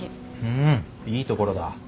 うんいいところだ。